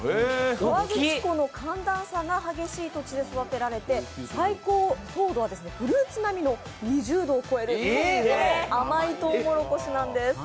河口湖の寒暖差が激しい土地で育てられて最高糖度はフルーツ並みの２０度を超えるとっても甘いとうもろこしなんです。